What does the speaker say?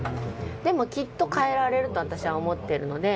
でもきっと変えられると私は思ってるので。